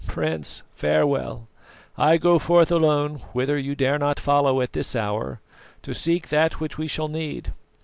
"Prince, farewell! I go forth alone, whither you dare not follow at this hour, to seek that which we shall need.